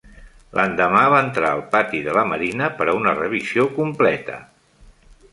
L'endemà, va entrar al pati de la Marina per a una revisió completa.